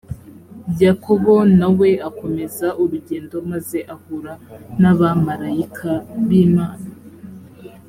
yakobo na we akomeza urugendo maze ahura n abamarayika b imana